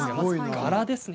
柄ですね。